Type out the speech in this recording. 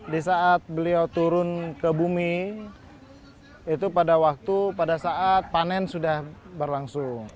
di saat beliau turun ke bumi itu pada waktu pada saat panen sudah berlangsung